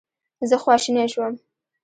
زه خواشینی شوم.